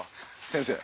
先生。